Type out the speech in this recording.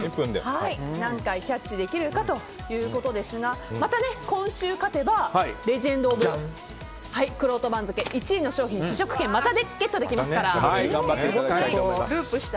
何回キャッチできるかということですがまた今週勝てばレジェンド・オブ・くろうと番付１位の商品試食券をまたゲットできますから。